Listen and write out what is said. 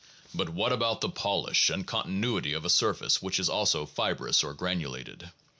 But what about the polish and continuity of a surface which is also fibrous or granulated?